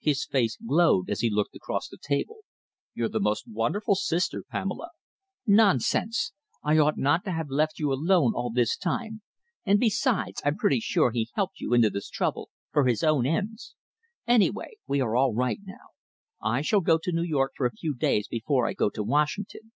His face glowed as he looked across the table. "You're the most wonderful sister, Pamela." "Nonsense!" she interrupted. "Nonsense! I ought not to have left you alone all this time, and, besides, I'm pretty sure he helped you into this trouble for his own ends. Anyway, we are all right now. I shall be in New York for a few days before I go to Washington.